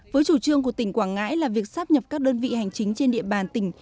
với chủ trương của tỉnh quảng ngãi là việc sắp nhập các đơn vị hành chính trên địa bàn tỉnh